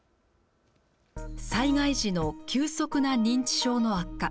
災害時の急速な認知症の悪化。